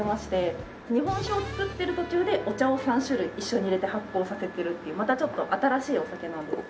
日本酒を造ってる途中でお茶を３種類一緒に入れて発酵させてるっていうまたちょっと新しいお酒なんです。